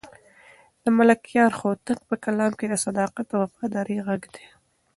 د ملکیار هوتک په کلام کې د صداقت او وفادارۍ غږ دی.